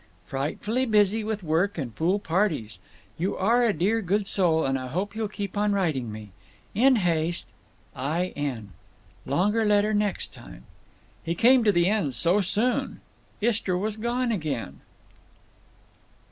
Frightfully busy with work and fool parties. You are a dear good soul and I hope you'll keep on writing me. In haste, I. N. Longer letter next time. He came to the end so soon. Istra was gone again.